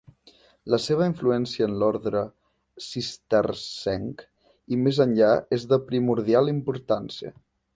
La seva influència en l'orde cistercenc i més enllà és de primordial importància.